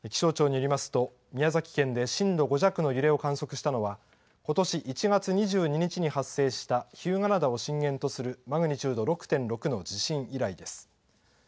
気象庁によりますと、宮崎県で震度５弱の揺れを観測したのはことし１月２２日に発生した日向灘を震源とするマグニチュード６．６の地震以来です。